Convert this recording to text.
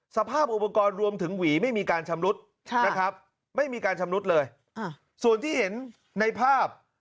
สภาพอุปกรณ์รวมถึงหวีไม่มีการชำรุดนะครับไม่มีการชำรุดเลยส่วนที่เห็นในภาพ